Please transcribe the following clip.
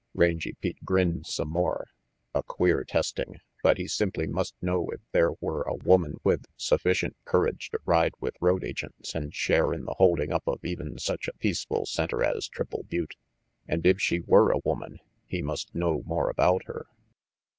Rangy Pete grinned some more. A queer testing, but he simply must know if there were a woman with sufficient courage to ride with road agents and share in the holding up of even such a peaceful center as Triple Butte. And if she were a woman, he must know more about her.